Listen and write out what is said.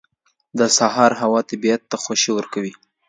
• د سهار هوا طبیعت ته خوښي ورکوي.